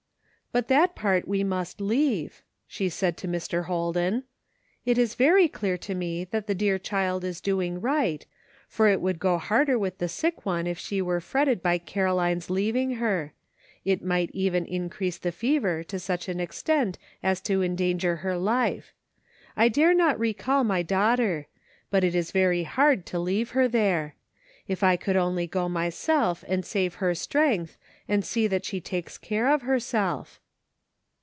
" But that part we must leave," she said to Mr. Holden. " It is very clear to me that the dear child is doing right, for it would go harder with the sick one if she were fretted by Caro line's leaving her ; it might even increase the fever to such an extent as to endanger her Rfe ; I dare not recall my daughter ; but it is very hard to leave her there. If I could only go i6i 1(52 ".SO YOU WANT TO GO HOME?'' myself and save her strength and see that she takes care of herself